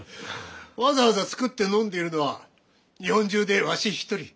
わざわざ作って飲んでいるのは日本中でわし一人。